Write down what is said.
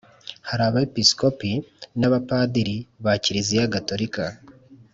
hari abepisikopi n'abapadiri ba kiriziya gatorika